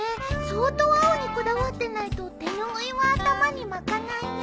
相当青にこだわってないと手拭いは頭に巻かないね。